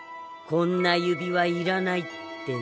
ここんな指輪いらない！